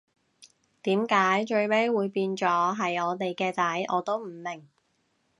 點解最尾會變咗係我哋嘅仔，我都唔明